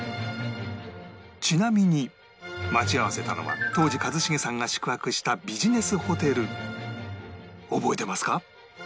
ちなみに待ち合わせたのは当時一茂さんが宿泊したビジネスホテル覚えてますか？